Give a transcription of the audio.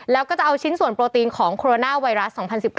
แล้วก็จะเอาชิ้นส่วนโปรตีนของโคโรนาไวรัส๒๐๑๙